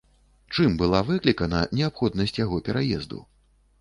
Чым была выклікана неабходнасць яго пераезду?